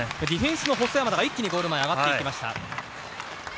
ディフェンスの細山田が一気にゴール前に上がっていきました。